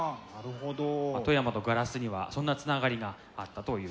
富山とガラスにはそんなつながりがあったということです。